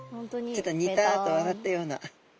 ちょっとニタッと笑ったような。